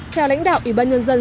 theo lãnh đạo ủy ban nhân dân